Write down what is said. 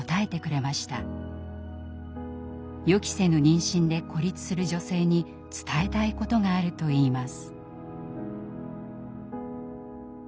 予期せぬ妊娠で孤立する女性に伝えたいことがあるといいます。